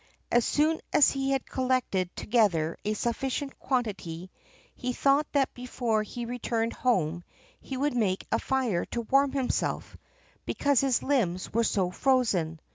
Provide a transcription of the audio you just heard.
As soon as he had collected together a sufficient quantity, he thought that before he returned home he would make a fire to warm himself, because his limbs were so frozen.